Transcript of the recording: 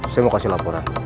saya mau kasih laporan